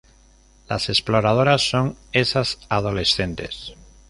Las exploradoras son esas adolescentes